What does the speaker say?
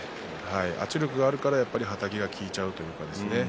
圧力があるからはたきがきちゃうというかですね。